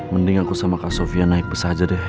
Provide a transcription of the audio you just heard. mending aku sama kak sofia naik bus aja deh